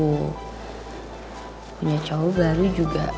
punya cowok baru juga